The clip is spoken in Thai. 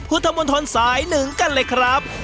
พุทธมนตรสาย๑กันเลยครับ